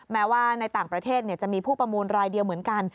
แม้ว่าในต่างประเทศจะมีผู้ประมูลรายเดียวเหมือนกัน